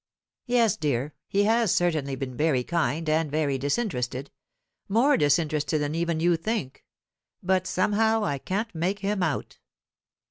"Yes, dear, he has certainly been very kind and very disinterested more disinterested than even you think; but, somehow, I can't make him out."